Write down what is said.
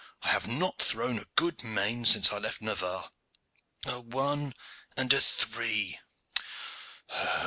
I have not thrown a good main since I left Navarre. A one and a three!